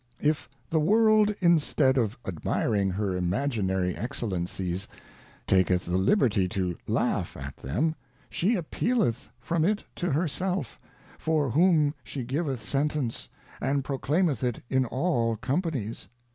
If the World instead of admiring her Imaginary Excellencies, taketh the Liberty to laugh at them, she appealeth from it to her self, for whom she giveth Sentence, and proclaimeth it in all Companies.